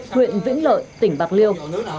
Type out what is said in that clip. huyện vĩnh lợi tỉnh bạc liêu